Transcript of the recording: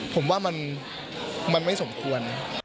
ผมว่ามันไม่สมควร